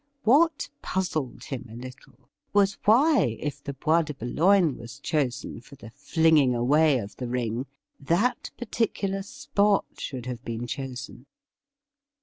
What puzzled him a little was why, if the Bois de Boulogne was chosen for the flinging away of the ring, that particular spot should have been chosen.